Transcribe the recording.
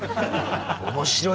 面白い！